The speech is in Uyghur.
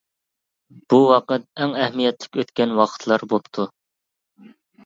بۇ ۋاقىت ئەڭ ئەھمىيەتلىك ئۆتكەن ۋاقىتلار بوپتۇ.